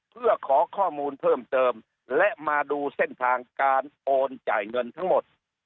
เพื่อขอข้อมูลเพิ่มเติมและมาดูเส้นทางการโอนจ่ายเงินทั้งหมด